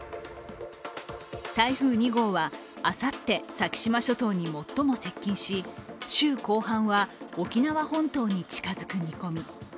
台風２号は、あさって先島諸島に最も接近し、週後半は沖縄本島に近づく見込み。